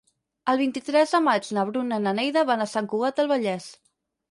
El vint-i-tres de maig na Bruna i na Neida van a Sant Cugat del Vallès.